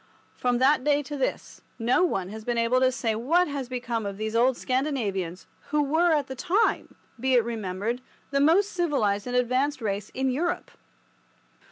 From that day to this no one has been able to say what has become of these old Scandinavians, who were at the time, be it remembered, the most civilized and advanced race in Europe.